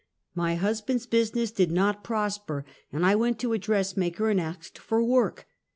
My husband's business did not prosper, and I went to a dressmaker and asked for work.